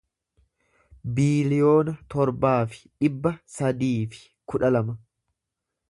biiliyoona torbaa fi dhibba sadii fi kudha lama